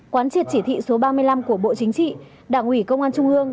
quán triệt chỉ thị số ba mươi năm của bộ chính trị đảng ủy công an trung ương